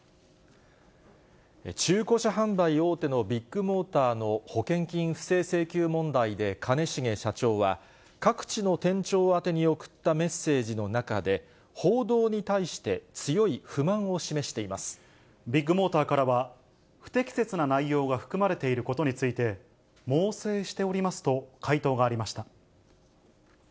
中古車販売大手のビッグモーターの保険金不正請求問題で兼重社長は、各地の店長宛てに送ったメッセージの中で、報道に対して強い不満ビッグモーターからは、不適切な内容が含まれていることについて猛省しておりますと回答がありました。